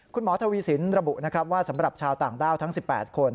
คุณหมอทวีสินระบุนะครับว่าสำหรับชาวต่างด้าวทั้ง๑๘คน